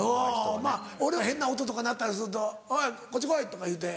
まぁ俺は変な音とか鳴ったりすると「おいこっち来い」とか言うて。